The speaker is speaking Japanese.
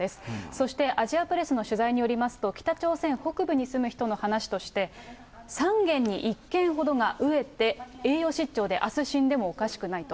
そしてアジアプレスの取材によりますと、北朝鮮北部に住む人の話として、３軒に１軒ほどが飢えて栄養失調であす死んでもおかしくないと。